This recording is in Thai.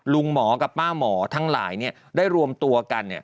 ลุงหมอกับป้าหมอทั้งหลายได้รวมตัวกัน